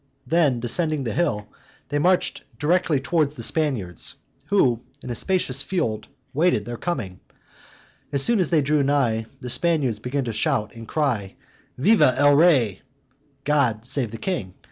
Then descending the hill, they marched directly towards the Spaniards, who in a spacious field waited for their coming. As soon as they drew nigh, the Spaniards began to shout and cry, "Viva el rey!" "God save the king!"